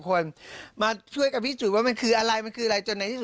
ว่าวิ่งหนีก็คำก็ใหญ่